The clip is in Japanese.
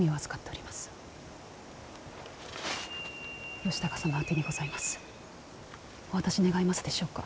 お渡し願えますでしょうか。